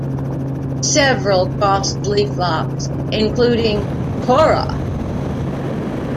Several costly flops, including Tora!